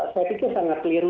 saya pikir sangat keliru